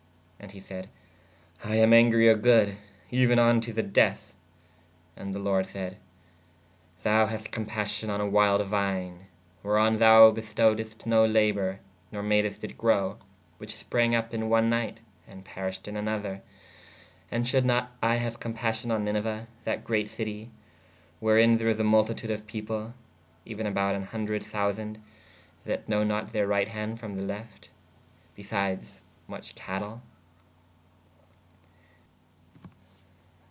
And he sayde/ I am angrie a goode/ even on to the deeth. And the lorde sayde/ thou hast compassion on a wild vine/ wheron thou bestoweddest no laboure ner madest it growe/ which sprange vp in one night and perished in a nother: and shuld not I haue compassion on Niniue that greate citie/ wherin there is a multitude of people/ euen aboue an hundred thousande that know not theyr right hand from the lyfte/ besydes moch catell?